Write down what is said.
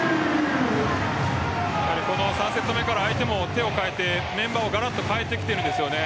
この３セット目から相手も手を変えてメンバーをガラッと代えてきているんですよね。